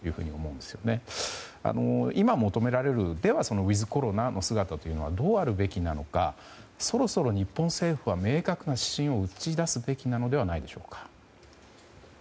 では今、求められるウィズコロナの姿とはどうあるべきなのかそろそろ日本政府は明確な指針を打ち出すべきなのではないでしょうか。